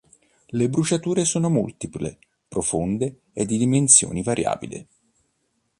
Le bruciature sono multiple, profonde e di dimensione variabile.